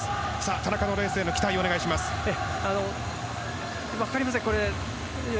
田中へのレースの期待をお願いします。